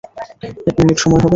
এক মিনিট সময় হবে?